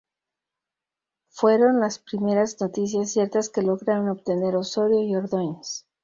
Fueron las primeras noticias ciertas que lograron obtener Osorio y Ordóñez.